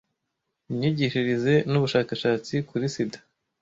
imyigishirize n ubushakashatsi kuri sida